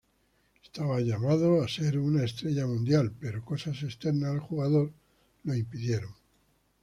Estaba llamado a ser una estrella mundial, pero cosas externas al jugador lo impidieron.